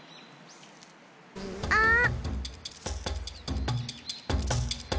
あっ！